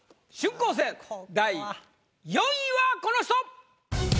春光戦第４位はこの人！